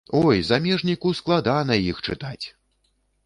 Ой, замежніку складана іх чытаць!